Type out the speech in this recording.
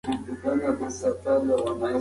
ډاکټره مي بدرالدین روژه د دماغ لپاره ګټوره بولي.